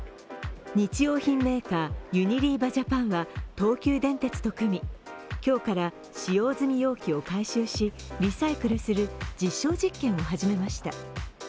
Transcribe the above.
日用品メーカー、ユニリーバ・ジャパンは東急電鉄と組み、今日から使用済み容器を回収し、リサイクルする実証実験を始めました。